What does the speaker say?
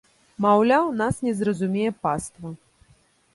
Маўляў, нас не зразумее паства.